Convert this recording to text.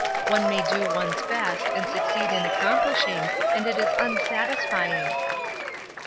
One may do one's best, and succeed in accomplishing, and it is unsatisfying."